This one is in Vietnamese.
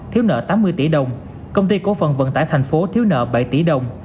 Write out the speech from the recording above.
thiếu nợ tám mươi tỷ đồng công ty cổ phần vận tải thành phố thiếu nợ bảy tỷ đồng